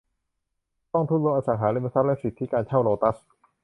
กองทุนรวมอสังหาริมทรัพย์และสิทธิการเช่าโลตัสส์